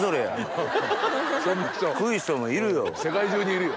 世界中にいるよ。